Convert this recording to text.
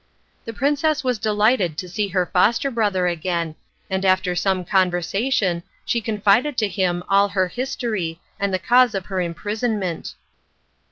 The princess was delighted to see her foster brother again, and after some conversation she confided to him all her history and the cause of her imprisonment.